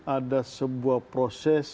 ada sebuah proses